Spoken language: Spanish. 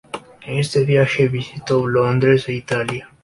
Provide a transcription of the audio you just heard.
En este viaje visitó Londres e Italia.